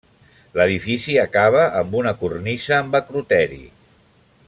L'edifici acaba amb una cornisa amb acroteri.